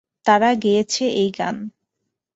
তাঁরা গেয়েছে এই গান।